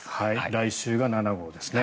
来週が７号ですね。